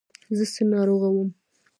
زه څه ناروغه وم.